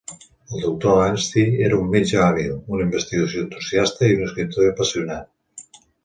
El doctor Anstie era un metge hàbil, un investigador entusiasta i un escriptor apassionat.